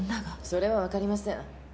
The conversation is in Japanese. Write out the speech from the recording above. それは分かりません。